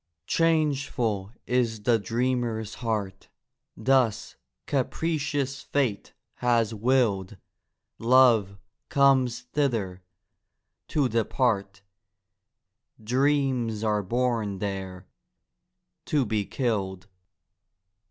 Changeful is the dreamer's heart, Thus capricious fate has willed: Love comes thither—to depart, Dreams are born there—to be killed.